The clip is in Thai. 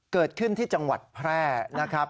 เกิดขึ้นที่จังหวัดแพร่นะครับ